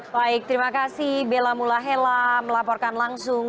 baik terima kasih bella mulahela melaporkan langsung